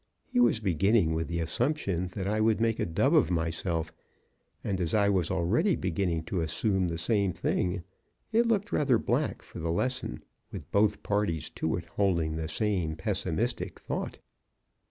He was beginning with the assumption that I would make a dub of myself, and, as I was already beginning to assume the same thing, it looked rather black for the lesson, with both parties to it holding the same pessimistic thought.